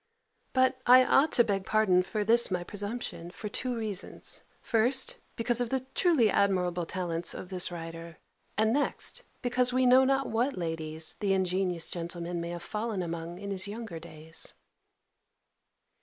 But I ought to beg pardon for this my presumption, for two reasons: first, because of the truly admirable talents of this writer; and next, because we know not what ladies the ingenious gentleman may have fallen among in his younger days.